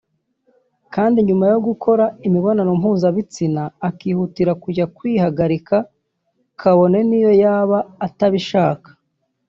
kandi nyuma yo gukora imibonano mpuzabitsina akihutira kujya kwihagarika kabone niyo yaba atabishaka